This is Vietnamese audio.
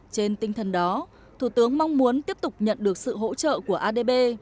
trên tinh thần đó thủ tướng mong muốn tiếp tục nhận được sự hỗ trợ của adb